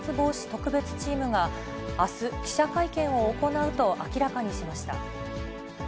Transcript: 特別チームが、あす、記者会見を行うと明らかにしました。